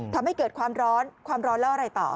ทำให้เกิดความร้อนความร้อนแล้วอะไรต่อ